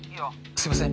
すいません